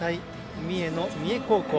三重の三重高校。